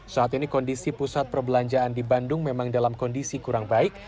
saat ini kondisi pusat perbelanjaan di bandung memang dalam kondisi kurang baik